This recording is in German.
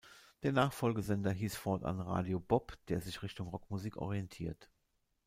Der Nachfolgesender hieß fortan Radio Bob, der sich Richtung Rockmusik orientiert.